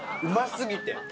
うま過ぎて。